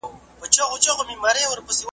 د ماشوم عقل په کاڼو هوښیارانو یم ویشتلی .